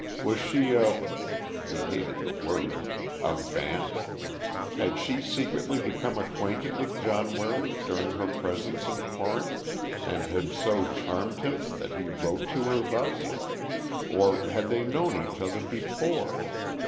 Was she a—he hated the word! a vamp? Had she secretly become acquainted with John Waring during her presence in Corinth, and had so charmed him that he wrote to her thus? Or, had they known each other before?